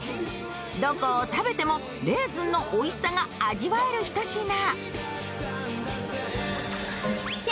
どこを食べてもレーズンのおいしさが味わえる一品。